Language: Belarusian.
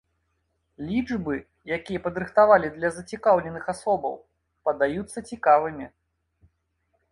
Лічбы, якія падрыхтавалі для зацікаўленых асобаў, падаюцца цікавымі.